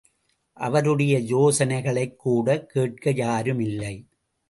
அவருடைய யோசனைகளைக் கூட கேட்க யாருமில்லை!